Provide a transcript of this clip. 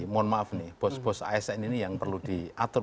mohon maaf nih bos bos asn ini yang perlu diatur